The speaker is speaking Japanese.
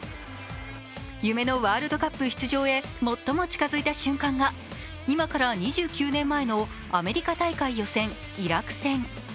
夢のワールドカップ出場へ最も近づいた瞬間が今から２９年前のアメリカ大会予選イラク戦。